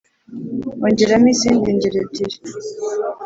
ongeramo izindi ngero ebyiri